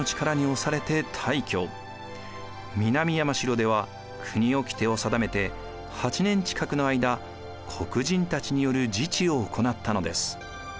南山城では国掟を定めて８年近くの間国人たちによる自治を行ったのです。